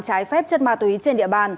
trái phép chất ma túy trên địa bàn